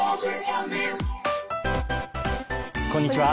こんにちは。